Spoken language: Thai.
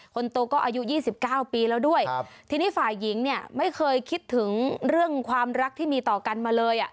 คนโตก็อายุยี่สิบเก้าปีแล้วด้วยครับทีนี้ฝ่ายหญิงเนี่ยไม่เคยคิดถึงเรื่องความรักที่มีต่อกันมาเลยอ่ะ